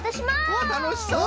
たのしそう！